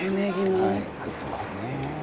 はい入ってますね。